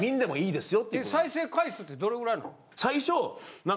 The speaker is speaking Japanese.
再生回数ってどれぐらいなん？